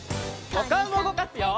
おかおもうごかすよ！